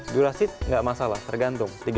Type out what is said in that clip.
durasi tidak masalah tergantung